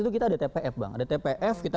itu kita ada tpf bang ada tpf kita